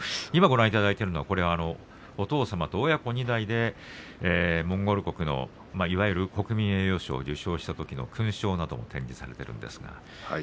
今、ご覧いただいているのはお父様と親子２代でモンゴル国のいわゆる国民栄誉賞を受賞したときの勲章なども展示されています。